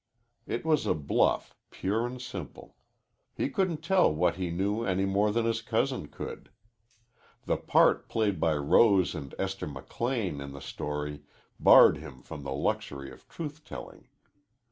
It was a bluff pure and simple. He couldn't tell what he knew any more than his cousin could. The part played by Rose and Esther McLean in the story barred him from the luxury of truth telling.